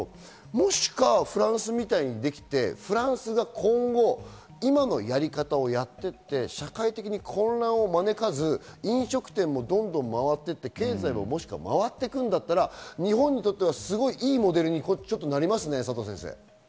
もしフランスみたいにできてフランスが今後、今のやり方をやっていって社会的に混乱を招かず、飲食店もどんどん回っていって経済も回っていくんだったら日本にとったら良いモデルになりますよね。